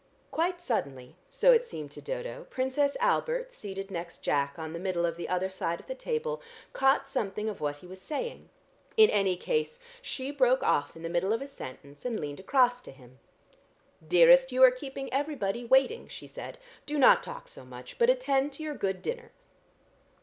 Quite suddenly, so it seemed to Dodo, Princess Albert, seated next Jack on the middle of the other side of the table, caught something of what he was saying. In any case, she broke off in the middle of a sentence and leaned across to him. "Dearest, you are keeping everybody waiting," she said. "Do not talk so much, but attend to your good dinner."